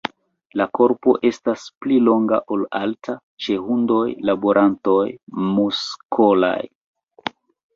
La korpo estas pli longa ol alta, ĉe hundoj laborantoj muskolaj.